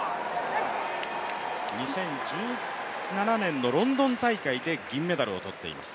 ２０１７年のロンドン大会で銀メダルをとっています。